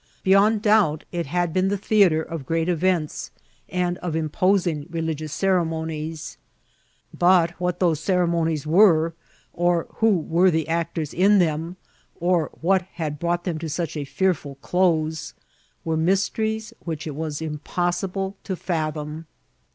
Beyond doubt it had been the theatre of great events and of imposing religious ceremonies ; but what those ceremonies were, or who were the actors in them, or what had brought them to such a fearful close, were mysteries which it was impossible to fathom.